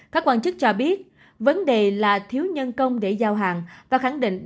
các quan chức cho biết vấn đề là thiếu nhân công để giao hàng và khẳng định